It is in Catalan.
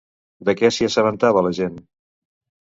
De què s'hi assabentava la gent?